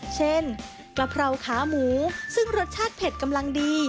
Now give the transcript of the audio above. กะเพราขาหมูซึ่งรสชาติเผ็ดกำลังดี